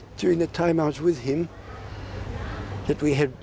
และมีคนสมบัติที่ชีวิตมนาฬิกา